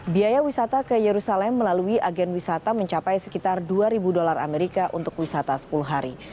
biaya wisata ke yerusalem melalui agen wisata mencapai sekitar dua ribu dolar amerika untuk wisata sepuluh hari